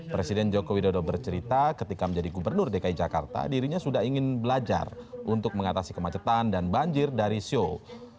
presiden joko widodo bercerita ketika menjadi gubernur dki jakarta dirinya sudah ingin belajar untuk mengatasi kemacetan dan banjir dari seoul